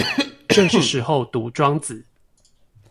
正是時候讀莊子